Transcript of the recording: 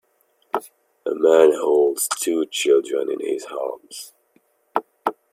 A man holds two children in his arms.